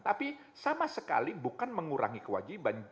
tapi sama sekali bukan mengurangi kewajiban